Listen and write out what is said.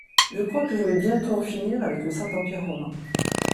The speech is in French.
Je crois que je vais bientôt en finir avec le Saint Empire Romain.